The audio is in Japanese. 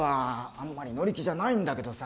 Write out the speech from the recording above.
あんまり乗り気じゃないんだけどさ。